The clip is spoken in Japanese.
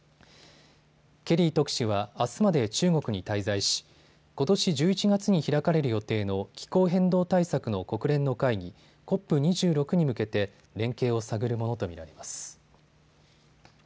ケリー特使はあすまで中国に滞在しことし１１月に開かれる予定の気候変動対策の国連の会議、ＣＯＰ２６に向けて連携を探るものと見られます。